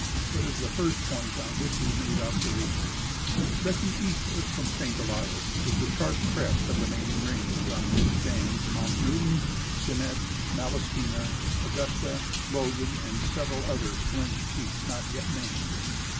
It Avas the first point on AAdiich we made observa tions. Stretching eastAvard from St. Elias is the sharp crest of the main range, on Avhich stand Mounts Newton, Jeannette, Malaspina, Augusta, Logan, and several other splendid peaks not yet named.